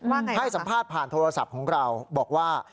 ว่าไงแล้วครับให้สัมภาษณ์ผ่านโทรศัพท์ของเราบอกว่า